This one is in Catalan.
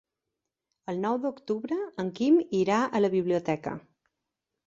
El nou d'octubre en Quim irà a la biblioteca.